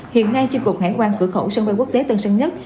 hiện nay trên cục hải quan cửa khẩu sân bay quốc tế tân sân nhất